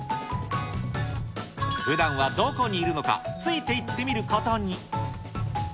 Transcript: ふだんはどこにいるのか、ついていってみることに。